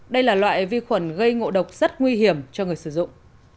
đây là loại vi khuẩn gây ngộ độc rất nguy hiểm cho người sử dụng